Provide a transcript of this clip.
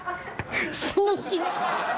死ぬ死ぬ。